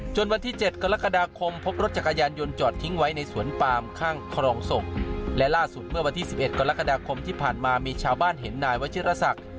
วันที่๗กรกฎาคมพบรถจักรยานยนต์จอดทิ้งไว้ในสวนปามข้างคลองส่งและล่าสุดเมื่อวันที่๑๑กรกฎาคมที่ผ่านมามีชาวบ้านเห็นนายวัชิรษัก